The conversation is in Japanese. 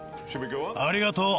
ありがとう。